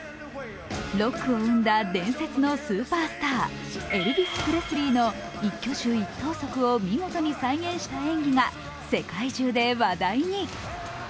ロックを生んだ伝説のスーパースター、エルヴィス・プレスリーの一挙手一投足を見事に再現した演技が世界中で話題に。